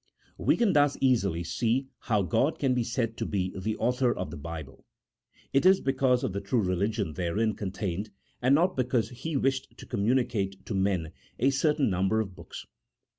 We can thus easily see how God can be said to be the Author of the Bible : it is because of the true religion therein contained, and not because He wished to communicate to men a certain number of books.